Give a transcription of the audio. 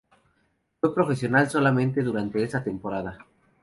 Fue profesional solamente durante esa temporada.